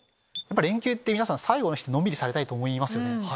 連休って皆さん最後の日のんびりされたいですよね。